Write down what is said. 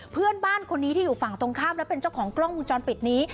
เพื่อนบ้านคนนี้ที่อยู่ฝั่งตรงข้ามและเป็นเจ้าของกล้องมุมจรปิดนี้